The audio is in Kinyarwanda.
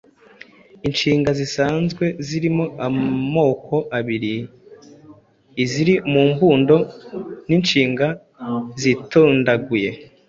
Inshinga zisanzwe zirimo amoko abiri (Iziri mu mbundo n’inshinga zitondaguye)